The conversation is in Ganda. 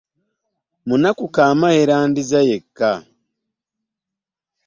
Omunaku kaama yeandiza yekka .